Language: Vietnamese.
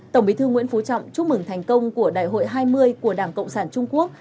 tổng bí thư nguyễn phú trọng chúc mừng thành công của đại hội hai mươi của đảng cộng sản trung quốc